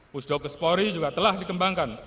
pusdokus pori juga telah dikembangkan